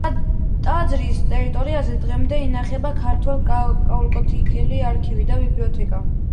ტაძრის ტერიტორიაზე დღემდე ინახება ქართველ კათოლიკეთა არქივი და ბიბლიოთეკა.